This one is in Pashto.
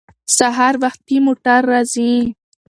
سهار وختي موټر راځي.